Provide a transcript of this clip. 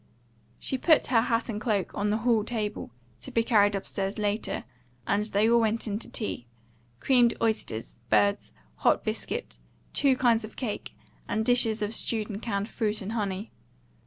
She put her hat and cloak on the hall table, to be carried upstairs later, and they all went in to tea: creamed oysters, birds, hot biscuit, two kinds of cake, and dishes of stewed and canned fruit and honey.